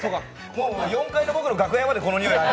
４階の僕の楽屋までにおう。